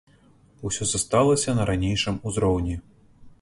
Усё засталася на ранейшым узроўні.